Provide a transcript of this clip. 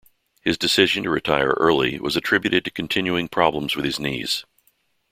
His decision to retire early was attributed to continuing problems with his knees.